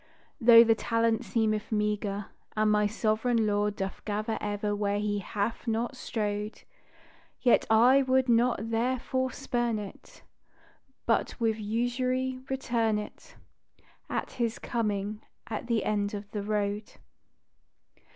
Though the talent seemeth meager, And my Sovereign Lord doth gather, ever, where He hath not strowed, Yet I would not therefore spurn it, But "with usury" return it, At His coming at the end of the road.